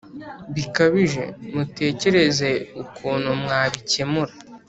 bikabije Mutekereze ukuntu mwabikemura